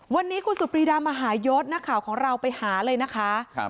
วันนี้คุณสุปรีดามหายศนักข่าวของเราไปหาเลยนะคะ